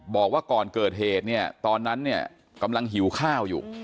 บอกว่าก่อนเกิดเหตุเนี่ยตอนนั้นเนี่ยกำลังหิวข้าวอยู่